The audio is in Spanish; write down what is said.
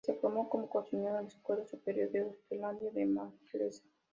Se formó como cocinero en la Escuela Superior de Hostelería de Manresa.